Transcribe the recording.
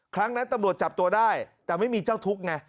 ครั้งนั้นตำรวจจับตัวได้แต่ไม่มีเจ้าทุกข์ไง